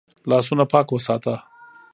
لاسونه پاک وساته.